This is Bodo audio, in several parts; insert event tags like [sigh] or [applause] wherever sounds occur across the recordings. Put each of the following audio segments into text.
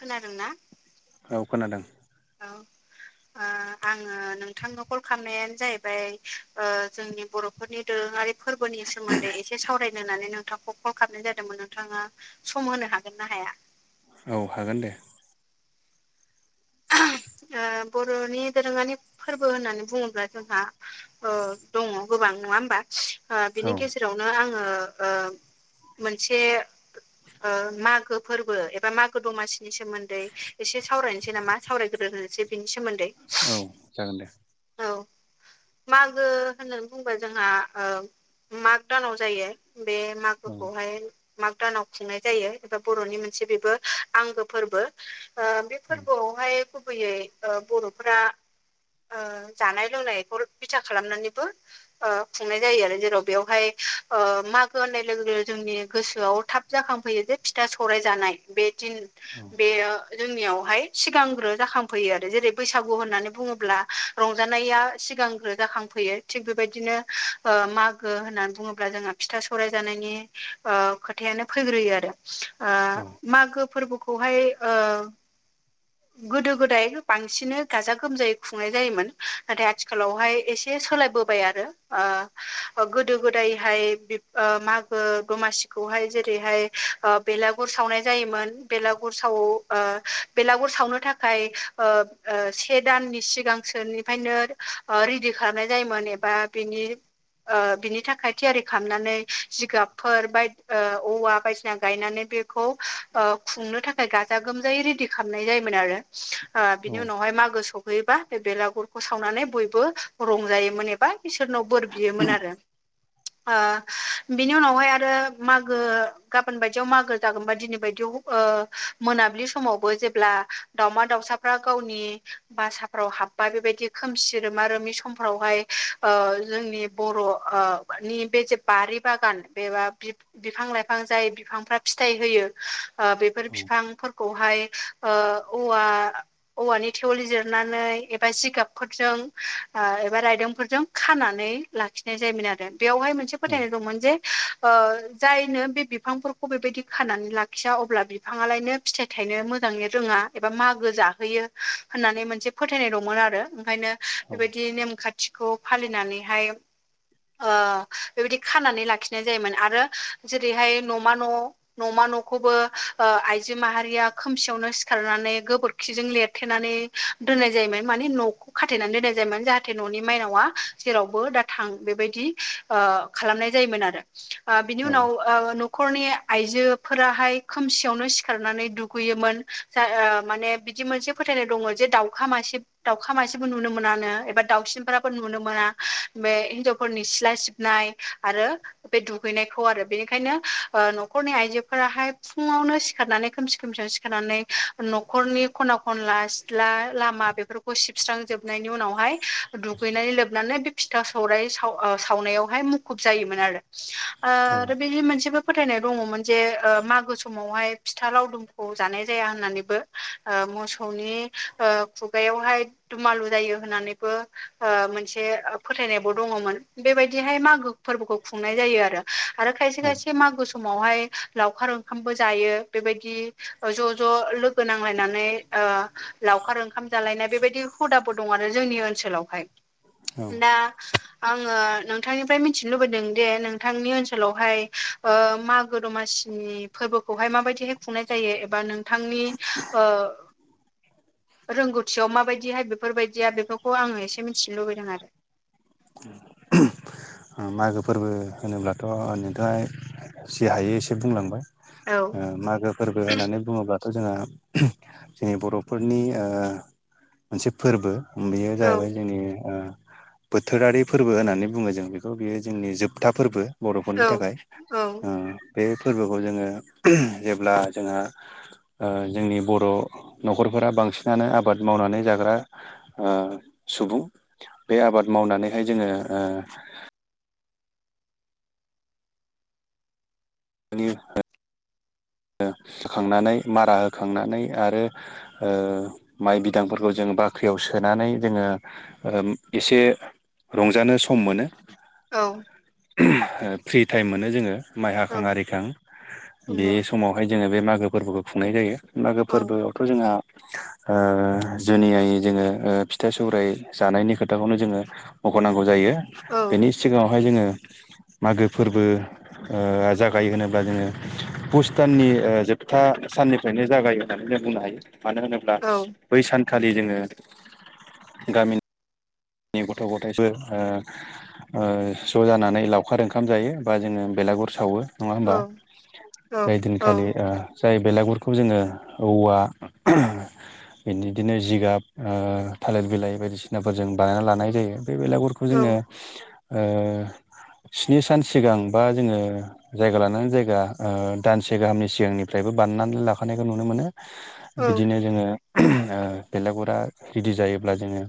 खोनादोंना औ खोनादों औ आ आङो नोंथांनो कल खालामनायानो जाहैबाय जोंनि बर'फोरनि दोरोङारि फोरबोनि सोमोन्दै एसे सावरायनो होननानै नोंथांखौ कल खालामनाय जादोंमोन नोंथाङा सम होनो हागोन ना हाया औ हागोन दे बर'नि दोरोङारि फोरबो होननानै बुङोब्ला जोंहा दङ गोबां नङा होमबा औ बिनि गेजेराव नो आङो मोनसे मागो फोरबो एबा मागो दमासिनि सोमोन्दै एसे सावरायनोसै नामा सावरायग्रोनोसै बिनि सोमोन्दै औ जागोन दे औ [inaudible] मागो होननानै बुंबा जोंहा माग दानाव जायो बे औ मागोखौहाय माग दानाव खुंनाय जायो एबा बर'नि मोनसे बेबो आंगो फोरबो बे औ फोरबोआवहाय गुबैयै बर'फोरा जानाय लोंनायखौ बिथा खालामनानैबो खुंनाय जायो आरो जेराव बेवहाय मागो होननाय लोगो लोगो जोंनि गोसोआव थाब जाखांफैयो जे फिथा सौराय जानाय बे दिन औ बेयो जोंनियावहाय सिगांग्रो जाखांफैयो आरो जेरै बैसागु होननानै बुङोब्ला रंजानाया सिगांग्रो जाखांफैयो थिग बेबायदिनो मागो होननानै बुङोब्ला जोङो फिथा सौराय जानायनि खोथायानो फैग्रोयो आरो औ मागो फोरबोखौहाय गोदो गोदाय बांसिन गाजा गोमजायै खुंनाय जायोमोन नाथाय आथिखालावहाय एसे सोलायबो बोबाय आरो गोदो गोदायहाय मागो दमासिखौहाय जेरैहाय ओ बेलागुर सावनाय जायोमोन बेलागुर सावो बेलागु गुरै आ सावनो थाखाय से दाननि सिगांसोनिफ्रायनो रेडि खालामनाय जायोमोन एबा बिनि बिनि थाखाय थियारि खालामनानै जिगाबफोर बाय औवा बायदिसिना गायनानै बे खौ खुंनो थाखाय गाजा गोमजायै रेडि खालामनाय जायोमोन आरो औ बिनि उनावहाय मागो स फैयोबा बे बेलागुरखौ सावनानै बयबो रंजायोमोन एबा इसोरनाव बोर बियोमोन आरो बिनि उनावहाय आरो मागो गाबोन बायदियाव मागो जागोनबा दिनै बायदियाव मोनाबिलि समावबो जेब्ला दावमा दाउसाफ्रा गावनि बासाफ्राव हाब्बा बेबायदि खोमसि रोमा रोमि समफ्रावहाय जोंनि बर' नि बे जे बारि बागान बेबा बिफां लाइफां जाय बिफांफ्रा फिथाइ होयो बेफोर बिफांफोरखौहाय औवा औवानि थेवोल जिरनानै एबा जिगाबफोरजों एबा रायदोंफोरजों खानानै लाखिनाय जायोमोन आरो बेयावहाय मोनसे फोथायनाय दंमोन जे जायनो बे बिफांफोरखौ बेबायदि खानानै लाखिया अब्ला बिफाङालायनो फिथाइ थायनो मोजाङै रोङा एबा मागो जाहोयो होननानै मोनसे फोथायनाय दंमोन आरो ओंखायनो औ बेबायदि नेमखान्थिखौ फालिनानैहाय बेबायदि खानानै लाखिनाय जायोमोन आरो जेरैहाय न'मा न' न'मा न'खौबो आइजो माहारिया खोमसियावनो सिखारनानै गोबोरखिजों लिरथेनानै दोननाय जायोमोन माने न'खौ खाथेनानै दोननाय जायोमोन जाहाथे न'नि माइनावा जेरावबो दा थां बेबायदि ओ खालामनाय जायोमोन आरो बिनि उनाव न'खरनि आइजोफोराहाय खोमसियावनो सिखारनानै दु दुगैयोमोन माने बिदि मोनसे फोथायनाय दङ जे दाउखा मासे दाउखा मासेबो नुनो मोनानो एबा दाउसिनफोराबो नुनो मोना बे हिनजावफोरनि सिला सिबनाय आरो बे दुगैनायखौ आरो बेनिखायनो न'खरनि आइजोफोराहाय फुङावनो सिखारनानै खोमसि खोमसियावनो सिखारनानै न'खरनि खना खनला सिथला लामा बेफोरखौ फिस्रांजोबनायनि उनावहाय दुगैनानै लोबनानै बे फिथा सौराय साव सावनायावहाय मु मुखुब जायो मोन आरो आरो बेदि मोनसेबो फोथायनाय दङमोन जे मागो समावहाय फिथा लावदुम खौ जानाय जाया होननानैबो मोसौनि खुगायावहाय दुमालु जायो होननानैबो मोनसे फोथायनायबो दङमोन बेबायदिहाय मागो फोरबोखौ खुंनाय जायो आरो खायसे खायसे मागो सम समावहाय लावखार ओंखामबो जायो बेबायदि ज' ज' लोगो नांलायनानै लावखार ओंखाम जालायनाय बेबायदि हुदाबो दं आरो जोंनि ओनसोलावहाय औ दा आङो नोंथांनिफ्राय मिथिनो लुबैदों दि नोंथांनि ओनसोलावहाय मागो दमासि नि फोरबोखौहाय माबायदिहाय खुंनाय जायो एबा नोंथांनि ओ रोंगौथियाव माबायदिहाय बेफोरबायायदिया बेफोरखौ आङो एसे मिथिनो लुबैदों आरो [inaudible] मागो फोरबो होनोब्लाथ' नोंथाङा जि हायो एसे बुंलांबाय औ मागो फोरबो होननानै बुङोबाथ' जोंहा जोंनि बर'फोरनि मोनसे फोरबो बेयो औ जाहैबाय जोंनि बोथोरारि फोरबो होननानै बुङो जों बेखौ बेयो जोंनि जोबथा फोरबो बर'फोरनि थाखाय औ बे फोरबोखौ जोङो जेब्ला जोंहा ओ जोंनि बर' न'खरफोरा बांसिनानो आबाद मावनानै जाग्रा। ओ सुबुं बे आबाद मावनानैहाय जोङो ओ नि ओ [unintelligible] होखांनानै मारा होखांनानै आरो ओ माइ बिदांफोरखौ जों बाख्रियाव सोनानै जोङो ओ एसे रंजानो सम मोनो औ ओ फ्रि टाइम मोनो जोङो माइ औ हाखां आरिखां बे नंगौ समावहाय जोङो बे मागो फोरबोखौ खुंनाय जायो मागो औ फोरबोआवथ' जोंहा ओ जुनियायै जोङो फिथाइ सौराइ जानायनि खोथाखौनो जोङो मख'नांगौ जायो औ बेनि सिगाङावहाय जोङो मागो फोरबो ओ जागायो होनोब्ला जोङो पुसदाननि ओ जोबथा साननिफ्रायनो जागायो होननानै जों बुंनो हायो मानो होनोब्ला औ बै सानखालि जोङो गामि नि गथ' गथायफोर ओ ओ ज' जानानै लावखार ओंखाम जायो बा जोङो बेलागुर सावो। नङा औ होमबा औ दिनखालि ओ जाय बेलागुरखौ जोङो औवा बिदिनो जिगाब थालिर ओ बिलाइ बायदिसिनाफोरजों बानायना लानाय जायो बे बेलागुरखौ जोङो ओ स्नि सान सिगां बा जोङो जायगा लानानै जायगा ओ दानसे गाहामनि सिगांनिफ्रायबो बानायनानै लाखानायखौ नुनो मोनो। औ बिदिनो जोङो बेलागुरा रेडि जायोब्ला जोङो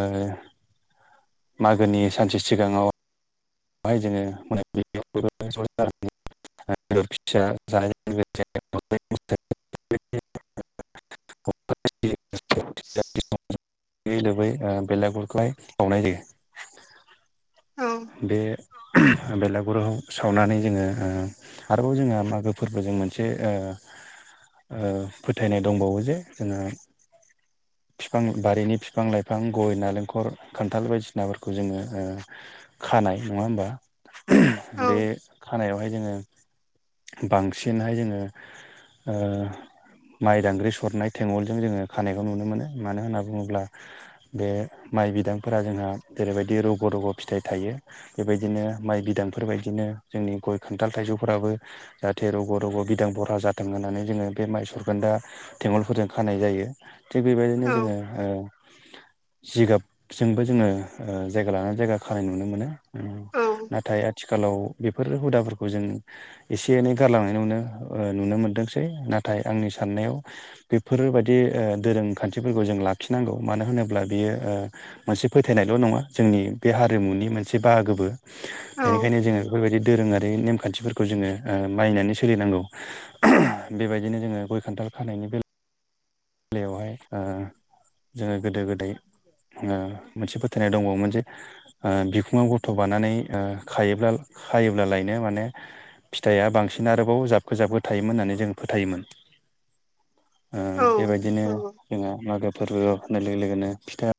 ओ मागोनि सानसे सिगाङाव बेहाय जोङो [unintelligible] [unintelligible] [unintelligible] दुगैयै लोबै ओ बेलागुरखौहाय बावनाय जायो औ बे बेलागुरुआव सावनानै जोङो ओ आरोबाव जोङो मागो फोरबोजों मोनसे ओ ओ फोथायनाय दंबावो जे जोङो फिफां बारिनि फिफां लाइफां गय नालेंखर खान्थाल बायदिसिनाफोरखौ जोङो ओ खानाय नङा होमबा बे खानायावहाय जोङो बांसिनहाय जोङो ओ माइ दांग्रि सरनाय थेंगलजों जोङो खानायखौ नुनो मोनो मानो होनना बुङोब्ला बे माइ बिदांफोरा जोंहा जेरैबायदि रग' रग' फिथाइ थायो बेबायदिनो माइ बिदांफोरबायदिनो जोंनि गय खान्थाल थाइजौफोराबो जाहाथे रग' रग' बिदां बह्रा जाथों होननानै जोङो बे माइ सरखोनदा थेगलफोरजों खानाय जायो थिग बेबायदिनो जोङो जिगाबजोंबो जोङो जायगा लानानै जायगा खानाय नुनो मोनो नाथाय आथिखालाव बेफोर हुदाफोरखौ जों एसे एनै गारलांनाय नुनो नुनो मोनदोंसै नाथाय आंनि साननायाव बेफोरबायदि ओ दोरोंखान्थिफोरखौ जों लाखिनांगौ मानो होनोब्ला बियो ओ मोनसे फोथायनायल' नङा जोंनि बे हारिमुनि मोनसे बाहागोबो औ बेनिखायनो जोङो बेफोरबायदि दोरोङारि नेमखान्थिफोर खौ जोङो ओ मानिनानै सोलिनांगौ बेबायदिनो जोङो गय खान्थाल खानायनि बेला यावहाय ओ जोङो गोदो गोदाय ओ मोनसे फोथायनायाव दंबावोमोन जे ओ बिखुङाव गथ' बानानै ओ खायोब्ला खायोब्लालायनो माने फिथाइआ बांसिन आरोबाव जाबखो जाबखो थायोमोन होननानै जों फोथायोमोन। औ बेबायदिनो नंगौ जोंहा मागो फोरबोआव होननाय लोगो लोगोनो फिथा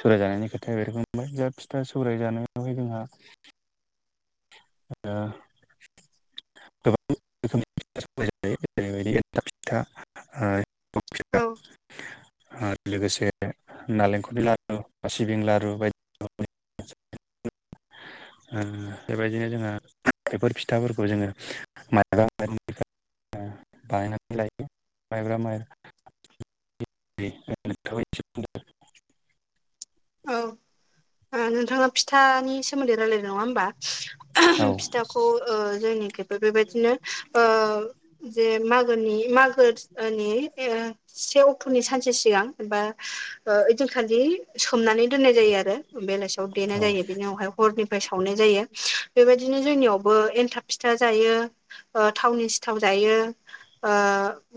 सौराय जानायनि खोथाया बेरखांबाय दा फिथा सौराय जानायावहाय जोंहा ओ गोबां रोखोमनिायो फिथा सावनाय जायो जेरै एन्थाब औ फिथा [unintelligible] आरो लोगोसे नालेंखलनि लारु सिबिं लारु बायदि [unintelligible] [unintelligible] ओ बेबायदिनो जोंहा बेफोर फिथाफोरखौ जोङो माइब्रा माइरंनिफ्राय [unintelligible] बायनानै लायो माइब्रा माइरं दे नोंथाङाबो एसे बुंदो [unintelligible] औ नोंथाङा फिथानि सोमोन्दै रायलायदों नङा होमबा फिथाखौ जोंनिखिबो बेबायदिनो जे मागोनि मागोनि ओ से अक्ट'नि सानसे सिगां एबा ओइदिनखालि सोमनानै दोननाय जायो आरो बेलासियाव देनाय जायो बेनि उनावहाय हरनिफ्राय सावनाय जायो बेबायदिनो जोंनियावबो एनथाब फिथा जायो थावनि सिथाव जायो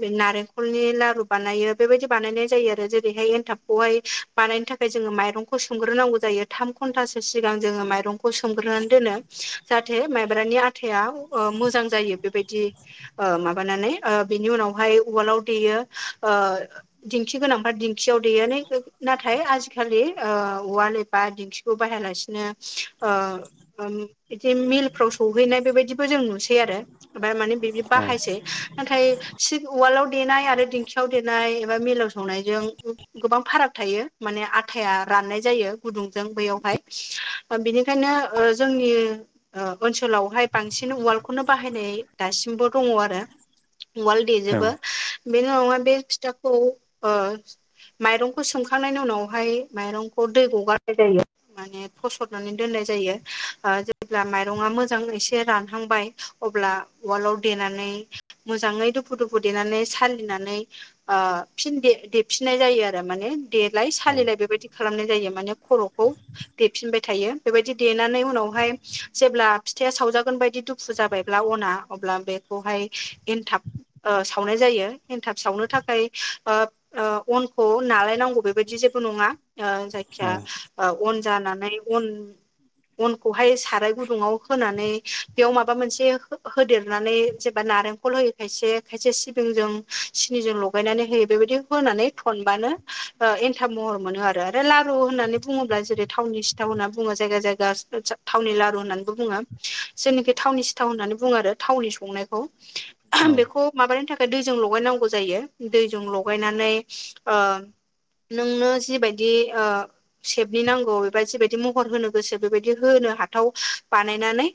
बे नारेंखलनि लारु बानायो बेबायदि बानायनाय जायो आरो जेरैहाय एनथाबखौहाय बानायनो थाखाय जोङो माइरंखौ सोमग्रोनांगौ जायो थाम घन्टासो सिगां जोङो माइरंखौ सोमग्रोनानै दोनो जाहाथे माइब्रानि आथाया मोजां जायो बेबायदि माबानानै बिनि उनावहाय उवालाव देयो दिंखि गोनांफ्रा दिंखियाव देयो नाथाय आजि खालि उवाल एबा दिंखिखौ बाहाया लासिनो बिदि मिलफ्राव सौहैनाय बेबायदिबो जों नुसै आरो ओमफ्राय माने बिदि बाहायसै नाथाय सिब उवालाव देनाय आरो दिंखियाव देनाय एबा मिलाव सौनायजों गोबां फाराग थायो माने आथाया राननाय जायो गुदुंजों बैयावहाय बिनिखायनो जोंनि ओनसोलावहाय बांसिन उवालखौनो बाहायनाय दासिमबो दङ आरो उवाल देजोबो बेनिल' नङा बे फिथाखौ माइरंखौ सोमखांनायनि उनावहाय माइरंखौ दैखौ गारनाय जायो माने फसरनानै दोननाय जायो जेब्ला माइरङा मोजां एसे रानहांबाय अब्ला उवालाव देनानै मोजाङै दुफु दुफु देनानै सालिनानै फिन दे देफिननाय जायो आरो माने देलाय सालिलाय बेबायदि बिदि खालामनाय जायो माने खर'खौ देफिनबाय थायो बेबायदि देनानै उनावहाय जेब्ला फिथाया सावजागोन बाय दि दुफु जाबायब्ला अना अब्ला बेखौहाय एनथाब साव नाय जायो एन्थाब सावनो थाखाय अनखौ नालायनांगौ बेबायदि जेबो नङा जायखिया अन जानानै अन अनखौहाय साराय गुदुङाव होनानै बेयाव माबा मोनसे होदेरनानै जेनबा नारें खल होयो खायसे खायसे सिबिं जों सिनिजों लगायनानै होयो बेबायदि होनानै थनबानो एन्थाब महर मोनो आरो आरो लारु होननानै बुङोब्ला जेरै थावनि सिथाव होनना बुङो जायगा जायगा थावनि लारु होननानैबो बुङो जोंनिखै थावनि सिथाव होननानै बुङो आरो थावनि संनायखौ औ बेखौ माबानो थाखाय दैजों लगायनांगौ जायो दैजों लगायनानै नोंनो जिबाय दि सेबनि नांगौ बेबादि जिबायदि महर होनो गोसो बेबायदि होनो हाथाव बानायनानै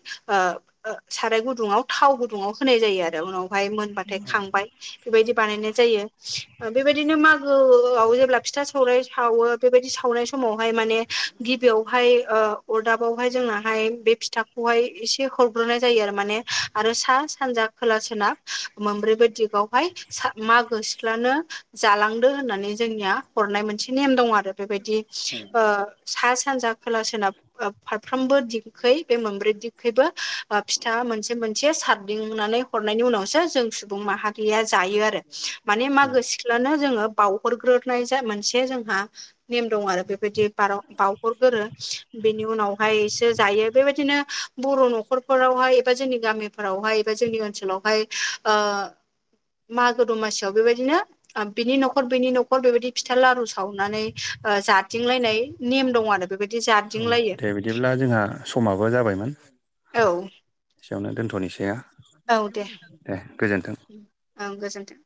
साराय गुदुङाव थाव गुदुङाव होनाय जायो आरो उनावहाय मोनबाथाय खांबाय बेबायदि बानायनाय जायो बेबायदिनो मागोआव जेब्ला फिथा सौराइ सावो बेबायदि सावनाय समावहाय माने गिबियावहाय ओ अरदाबावहाय जोंनाहाय बे फिथा खौहाय एसे हरग्रोनाय जायो आरो माने आरो सा सानजा खोला सोनाब मोनब्रैबो दिगावहाय मागो सिख्लानो जालांदो होननानै जोंनिया हरनाय मोनसे नेम दं आरो बेबायदि ओ सा सानजा खोला सोनाब फारफ्रोमबो दिगखै बे मोनब्रै दिगखैबो फिथा मोनसे मोनसे सारदिंनानै हरनायनि उनावसो जों सुबुं माहारिया जायो आरो माने मागो सिख्लानो जोङो बावउहरग्रोनाय जा मोनसे जोंहा नेम दं आरो बेबायदि बावहरगोरो बेनि उनावहायसो जायो बेबायदिनो बर' न'खरफोरावहाय एबा जोंनि गामिफोरावहाय एबा जोंनि ओनसोलावहाय ओ मागो दमासियाव बेबायदिनो बिनि न'खर बिनि न'खर बेबायदि फिथा लारु सावनानै जादिंलायनाय नेम दं आरो बेबायदि जादिंलायो दे बिदिब्ला जोंहा समाबो जाबायमोन औ एसेयावनो दोनथ'नैसैया औ दे ओं गोजोन्थों